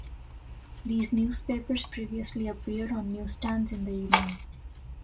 These newspapers previously appeared on newsstands in the evening.